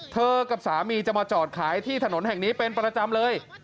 กับสามีจะมาจอดขายที่ถนนแห่งนี้เป็นประจำเลย